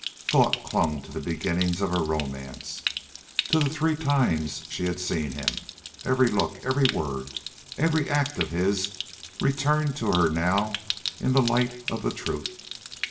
Thought clung to the beginnings of her romance to the three times she had seen him. Every look, every word, every act of his returned to her now in the light of the truth.